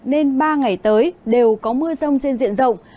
nên ba ngày tới đều có mưa rông trên diện rộng